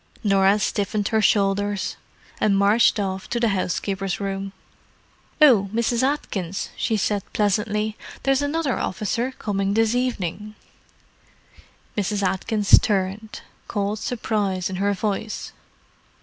Norah stiffened her shoulders and marched off to the housekeeper's room. "Oh, Mrs. Atkins," she said pleasantly, "there's another officer coming this evening." Mrs. Atkins turned, cold surprise in her voice.